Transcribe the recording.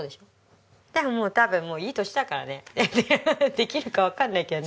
できるかわかんないけどね。